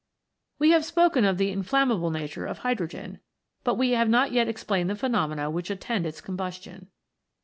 We have spoken of the inflammable nature of THE FOUR ELEMENTS. 45 hydrogen, but we have not yet explained the phe nomena which attend its combustion.